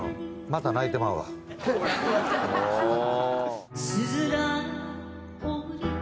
また泣いてまうわ。